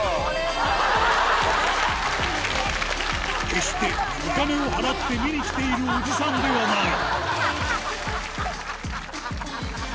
決してお金を払って見に来ているおじさんではない。